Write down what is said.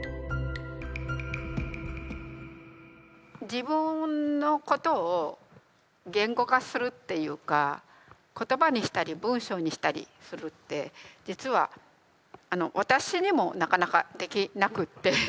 自分のことを言語化するっていうか言葉にしたり文章にしたりするって実は私にもなかなかできなくって。